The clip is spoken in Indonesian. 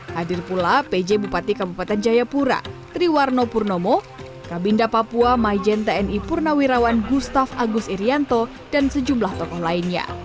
hadir pula pj bupati kabupaten jayapura triwarno purnomo kabinda papua maijen tni purnawirawan gustaf agus irianto dan sejumlah tokoh lainnya